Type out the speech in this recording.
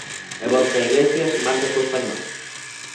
E Borja Iglesias marca co Español.